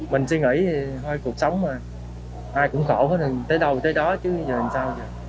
mình suy nghĩ thì thôi cuộc sống mà ai cũng khổ tới đâu thì tới đó chứ giờ làm sao